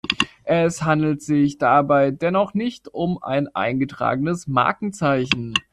Es handelt sich dabei dennoch nicht um ein eingetragenes Markenzeichen.